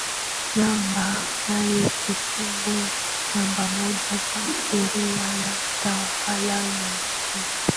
namba nane kifungu namba moja cha sheria ya Tawala za Mikoa